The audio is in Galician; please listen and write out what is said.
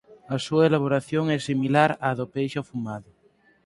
A súa elaboración é similar á do peixe afumado.